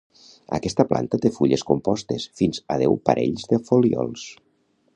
Aquesta planta té fulles compostes, fins a deu parells de folíols.